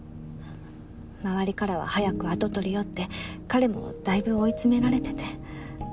周りからは「早く跡取りを」って彼もだいぶ追い詰められてて。